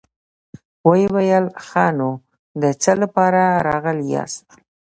ويې ويل: ښه نو، د څه له پاره راغلي ياست؟